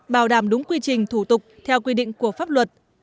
bảo đảm đúng quy trình thủ tục theo quy định của pháp luật